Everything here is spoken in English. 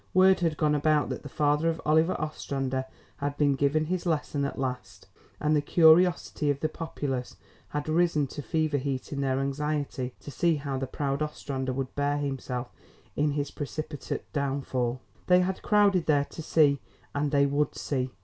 Word had gone about that the father of Oliver Ostrander had been given his lesson at last, and the curiosity of the populace had risen to fever heat in their anxiety to see how the proud Ostrander would bear himself in his precipitate downfall. They had crowded there to see and they would see.